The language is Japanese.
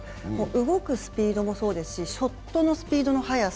動くスピードもそうですしショットのスピードの速さ